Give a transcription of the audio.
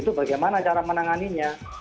itu bagaimana cara menanganinya